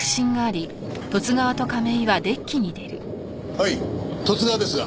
はい十津川ですが。